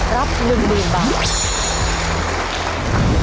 รับ๑๐๐๐บาท